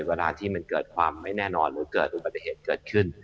เวลาที่มันเกิดความไม่แน่นอนหรือเกิดอุบัติเหตุเกิดขึ้น